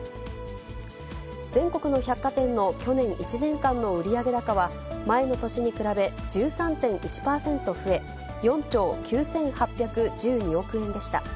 全国の百貨店の去年１年間の売上高は前の年に比べ１３．１％増え、４兆９８１２億円でした。